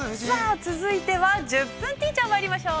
◆続いては、「１０分ティーチャー」、まいりましょう。